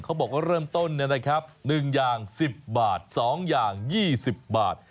เขาบอกว่าเริ่มต้น๑อย่าง๑๐บาท๒อย่าง๒๐บาท